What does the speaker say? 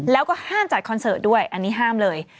แล้วก็ห้ามจัดคอนเสิร์ตด้วยอันนี้ห้ามเลย